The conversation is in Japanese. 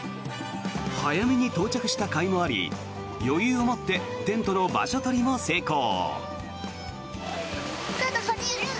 早めに到着したかいもあり余裕もあってテントの場所取りも成功。